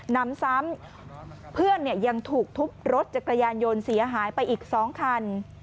นำซ้ำเพื่อนยังถูกทุบรถจักรยานยนต์เสียหายไปอีก๒คัน